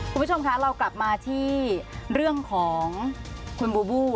คุณผู้ชมคะเรากลับมาที่เรื่องของคุณบูบู